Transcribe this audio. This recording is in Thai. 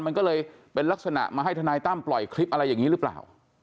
มันก็เลยเป็นลักษณะมาให้ทนายตั้มปล่อยคลิปอะไรอย่างนี้หรือเปล่า